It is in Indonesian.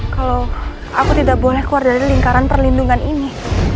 kalau aku tidak boleh keluar dari lingkaran perlindungan ini